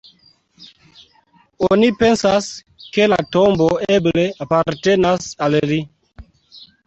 Oni pensas, ke la tombo eble apartenas al li.